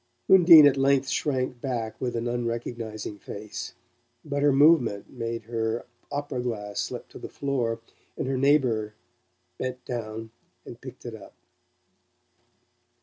Undine at length shrank back with an unrecognizing face; but her movement made her opera glass slip to the floor, and her neighbour bent down and picked it up.